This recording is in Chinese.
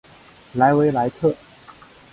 莱维莱特。